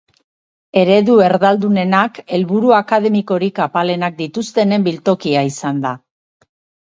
Eredu erdaldunenak helburu akademikorik apalenak dituztenen biltokia izan da.